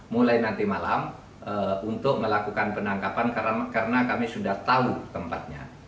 mulai nanti malam untuk melakukan penangkapan karena kami sudah tahu tempatnya